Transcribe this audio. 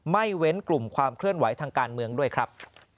เว้นกลุ่มความเคลื่อนไหวทางการเมืองด้วยครับ